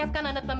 masa dulu pak